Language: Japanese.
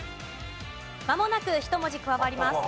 まもなく１文字加わります。